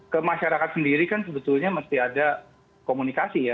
ke masyarakat sendiri kan sebetulnya mesti ada komunikasi ya